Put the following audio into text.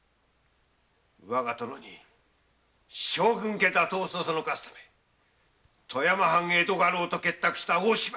わが殿に将軍家打倒をそそのかすため富山藩江戸家老と結託した大芝居。